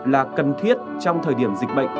là cần thiết trong thời điểm dịch bệnh